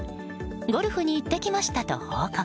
ゴルフに行ってきましたと報告。